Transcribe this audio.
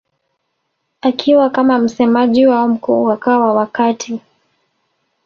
akiwa kama msemaji wao mkuu wakawa wakati